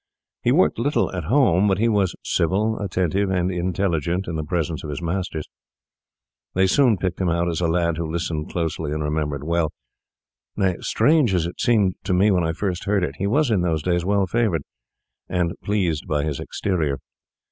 He worked little at home; but he was civil, attentive, and intelligent in the presence of his masters. They soon picked him out as a lad who listened closely and remembered well; nay, strange as it seemed to me when I first heard it, he was in those days well favoured, and pleased by his exterior.